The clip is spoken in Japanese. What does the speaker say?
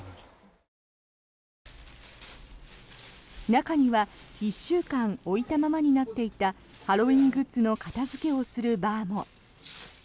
中には１週間置いたままになっていたハロウィーングッズの片付けをするバーも。